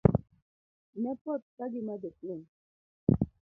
Ne poth ka gimadho sum.